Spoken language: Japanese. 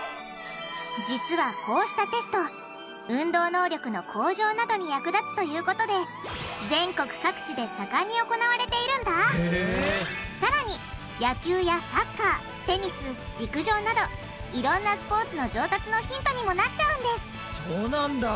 実はこうしたテスト運動能力の向上などに役立つということでさらに野球やサッカーテニス陸上などいろんなスポーツの上達のヒントにもなっちゃうんですそうなんだ。